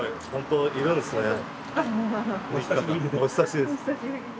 お久しぶりです。